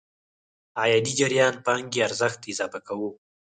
عايدي جريان پانګې ارزښت اضافه کوو.